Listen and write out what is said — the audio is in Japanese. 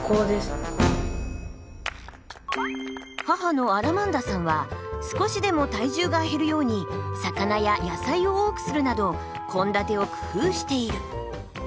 母のアラマンダさんは少しでも体重が減るように魚や野菜を多くするなど献立を工夫している。